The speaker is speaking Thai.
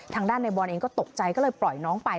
ทางด้านในบอลเองก็ตกใจก็เลยปล่อยน้องไป